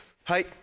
はい。